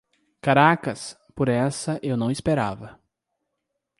Caracas! Por essa, eu não esperava!